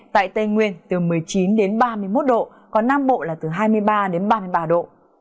tại tây nguyên từ một mươi chín đến ba mươi một độ còn nam bộ là từ hai mươi ba đến ba mươi ba độ